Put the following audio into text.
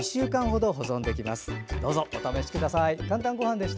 どうぞお試しください。